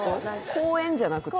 公園じゃなくて？